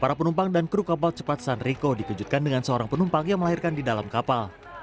para penumpang dan kru kapal cepat sunrico dikejutkan dengan seorang penumpang yang melahirkan di dalam kapal